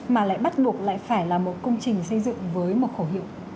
mà lại bắt buộc lại phải là một công trình xây dựng với một khẩu hiệu